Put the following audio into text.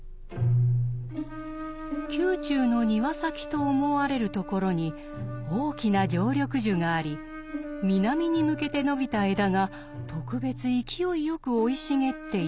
宮中の庭先と思われるところに大きな常緑樹があり南に向けて伸びた枝が特別勢いよく生い茂っていた。